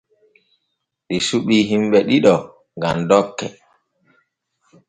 Ɗi suɓii himbe ɗiɗo gam dokke.